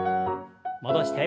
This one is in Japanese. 戻して。